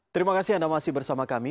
terima kasih anda masih bersama kami